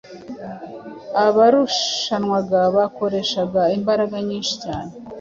abarushanwaga bakoreshaga imbaraga nyinshi cyane